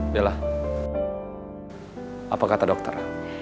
bella apa kata dokter